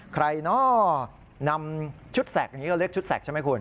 ใครเนาะนำชุดแสกอย่างนี้เขาเรียกชุดแสกใช่ไหมคุณ